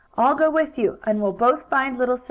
I'll go with you, and we'll both find little sister."